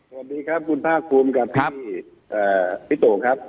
อขทครับคุณท่าควุมคุณพิโต๊คครับ